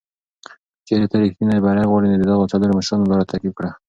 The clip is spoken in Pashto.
که چېرې ته ریښتینی بری غواړې، نو د دغو څلورو مشرانو لاره تعقیب کړه.